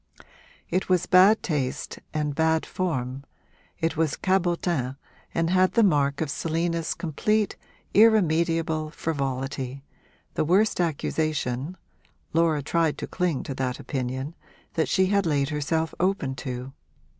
It was bad taste and bad form, it was cabotin and had the mark of Selina's complete, irremediable frivolity the worst accusation (Laura tried to cling to that opinion) that she laid herself open to.